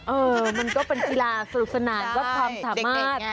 เออมันก็เป็นกีฬาสนุกสนานวัดความสามารถ